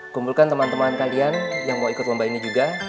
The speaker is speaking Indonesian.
kumpulkan teman teman kalian yang mau ikut lomba ini juga